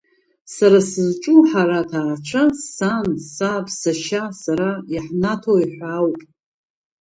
Сара сызҿу ҳара аҭаацәа сан, саб, сашьа, сара, иаҳнаҭои ҳәа ауп.